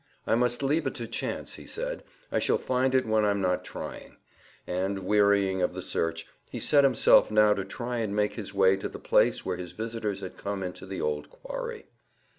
"I must leave it to chance," he said. "I shall find it when I'm not trying;" and, wearying of the search, he set himself now to try and make his way to the place where his visitors had come into the old quarry.